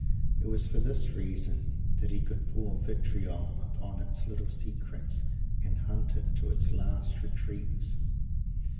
It was for this reason that he could pour vitriol upon its "little secrets"; and hunt it to its last retreats.